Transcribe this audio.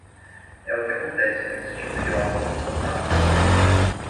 É o que acontece com esse tipo de óculos montado no ar.